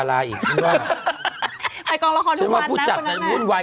เรียบร้อยนะคะโซเวรี่